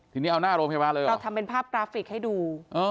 ทีนี้เอาหน้าโรงพยาบาลเลยเหรอเราทำเป็นภาพกราฟิกให้ดู